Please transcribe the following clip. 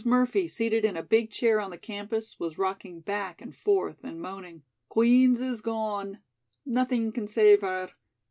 Murphy, seated in a big chair on the campus, was rocking back and forth and moaning: "Queen's is gone. Nothing can save her.